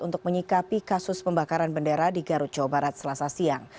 untuk menyikapi kasus pembakaran bendera di garut jawa barat selasa siang